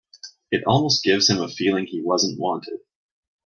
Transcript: It almost gives him a feeling he wasn't wanted.